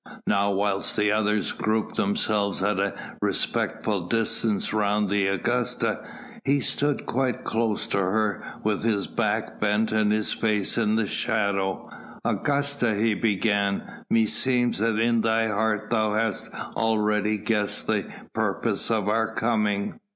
Now whilst the others grouped themselves at a respectful distance round the Augusta, he stood quite close to her, with back bent and his face in shadow. "Augusta," he began, "meseems that in thy heart thou hast already guessed the purpose of our coming.